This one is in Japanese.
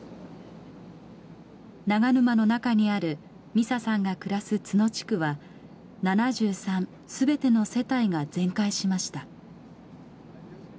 長沼の中にある美佐さんが暮らす津野地区は７３全ての世帯が全壊しました。